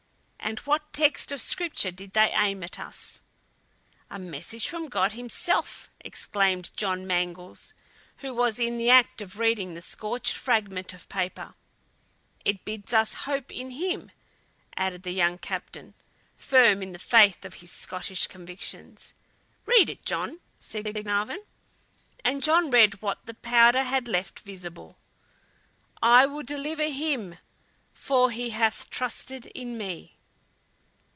"And what text of scripture did they aim at us?" "A message from God Himself!" exclaimed John Mangles, who was in the act of reading the scorched fragment of paper. "It bids us hope in Him," added the young captain, firm in the faith of his Scotch convictions. "Read it, John!" said Glenarvan. And John read what the powder had left visible: "I will deliver him, for he hath trusted in me."